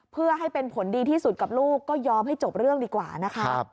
เพื่อให้เป็นผลดีที่สุดกับลูกก็ยอมให้จบเรื่องดีกว่านะคะ